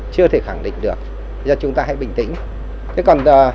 chưa thể khẳng định được